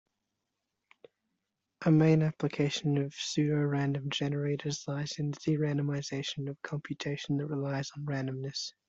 A main application of pseudorandom generators lies in the de-randomization of computation that relies on randomness.